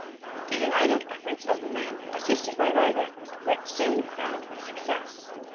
The united efforts of the men, assisted by Vibert, soon were crowned with success.